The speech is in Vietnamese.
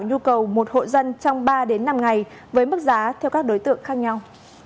nhu cầu một hộ dân trong ba đến năm ngày với mức giá theo các đối tượng khác nhau